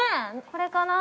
これかな？